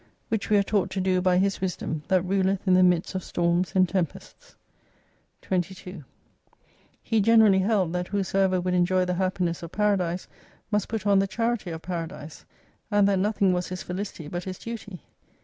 Which we are taught to do by His wisdom, that ruleth in the midst of storms and tempests. 22 He generally held, that whosoever would enjoy the happiness of Paradise must put on the charity of Paradise. And that nothing was his Felicity but his Duty.